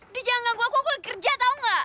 udah jangan ganggu aku aku lagi kerja tau ga